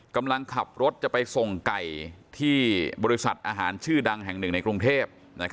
กำลังขับรถจะไปส่งไก่ที่บริษัทอาหารชื่อดังแห่งหนึ่งในกรุงเทพ